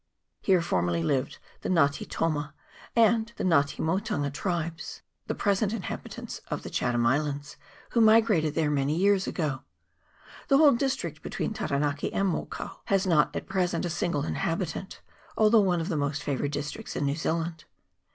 Here formerly lived the Nga te toma and Nga te Motunga tribes, the present inhabitants of the Chatham Islands, who migrated there many years ago. The whole district between Taranaki and Mokau has not at present a single inhabitant, although one of the most favoured districts of New Zealand.